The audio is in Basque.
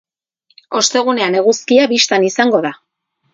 Ostegunean eguzkia bistan izango da.